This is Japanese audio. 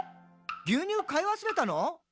牛乳買い忘れたの？」